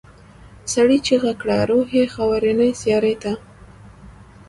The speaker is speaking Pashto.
سړي چيغه کړه روح یې خاورینې سیارې ته.